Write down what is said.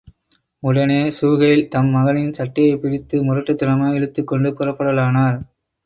உடனே ஸூஹைல் தம் மகனின் சட்டையைப் பிடித்து, முரட்டுத்தனமாக இழுத்துக் கொண்டு புறப்படலானார்.